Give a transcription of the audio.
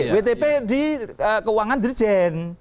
wtp di keuangan dirjen